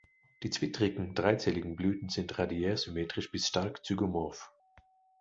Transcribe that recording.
Die zwittrigen, dreizähligen Blüten sind radiärsymmetrisch bis stark zygomorph.